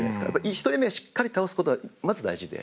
１人目しっかり倒すことがまず大事で。